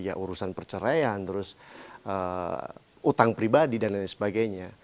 ya urusan perceraian terus utang pribadi dan lain sebagainya